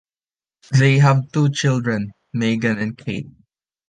They have two children, Meghan and Kate.